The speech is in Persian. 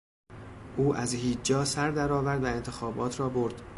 او از هیچ جا سردرآورد و انتخابات را برد!